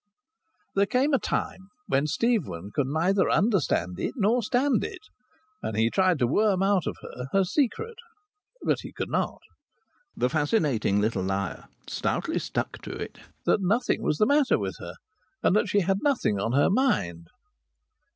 There came a time when Stephen could neither understand it nor stand it. And he tried to worm out of her her secret. But he could not. The fascinating little liar stoutly stuck to it that nothing was the matter with her, and that she had nothing on her mind.